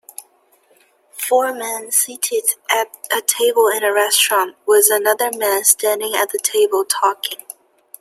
Four men seated at a table in a restaurant with another man standing at the table talking.